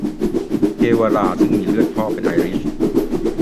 เกวารา ซึ่งมีเลือดพ่อเป็นไอริช